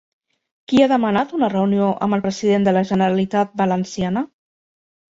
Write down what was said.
Qui ha demanat una reunió amb el president de la Generalitat Valenciana?